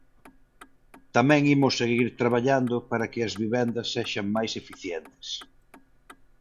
Tamén imos seguir traballando para que as vivendas sexan máis eficientes.